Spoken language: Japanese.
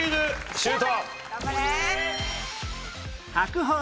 シュート！